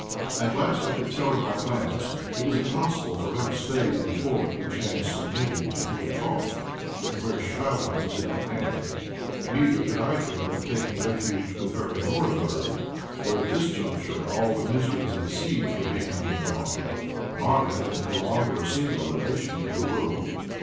At last I could tell her my plans. It was impossible for her to stay in a fort which had submitted to Pugatchéf, and where Chvabrine was in command. Neither could I dream of taking refuge with her in Orenburg, where at this juncture all the miseries of a siege were being undergone. Marya had no longer a single relation in the world.